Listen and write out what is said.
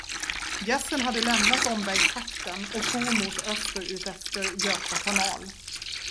Gässen hade lämnat Ombergstrakten och for mot öster utefter Göta kanal.